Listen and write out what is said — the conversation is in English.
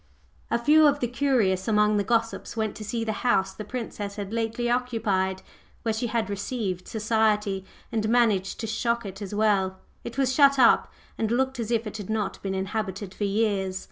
A few of the curious among the gossips went to see the house the Princess had lately occupied, where she had "received" society and managed to shock it as well. It was shut up, and looked as if it had not been inhabited for years.